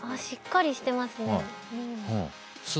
しっかりしてますね。